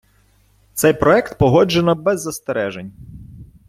Цей проект погоджено без застережень.